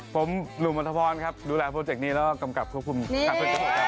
ผมหลุมมัธพรครับดูแลโปรเจ็คนี้แล้วกำกับคุณคุณครับ